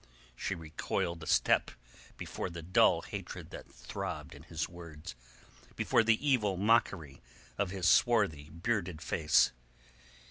She recoiled a step before the dull hatred that throbbed in his words, before the evil mockery of his swarthy bearded face.